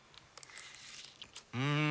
うん！